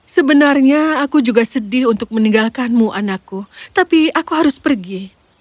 sebenarnya aku juga sedih untuk meninggalkanmu anakku tapi aku harus pergi